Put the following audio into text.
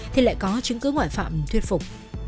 thì lại có chứng cứ ngoại phạm thuyết phục